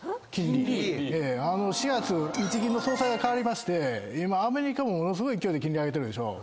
４月日銀の総裁が代わりましてアメリカものすごい勢いで金利上げてるでしょ。